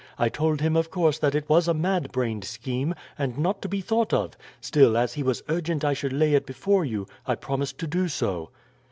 I told him, of course, that it was a mad brained scheme, and not to be thought of. Still, as he was urgent I should lay it before you, I promised to do so."